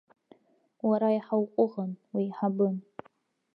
Уара иаҳа уҟәыӷан, уеиҳабын.